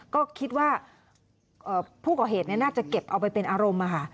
ก็คิดว่าผู้ก่อเหตุน่าจะเก็บเอาไปเป็นอารมณ์